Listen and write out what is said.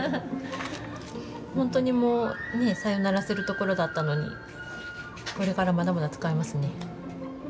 ほんとにもうねさよならするところだったのにこれからまだまだ使えますね。